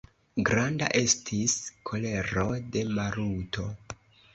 Granda estis kolero de Maluto.